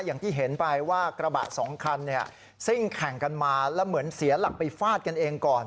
อย่างที่เห็นไปว่ากระบะสองคันเนี่ยซิ่งแข่งกันมาแล้วเหมือนเสียหลักไปฟาดกันเองก่อน